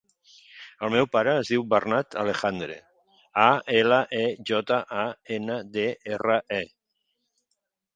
El meu pare es diu Bernat Alejandre: a, ela, e, jota, a, ena, de, erra, e.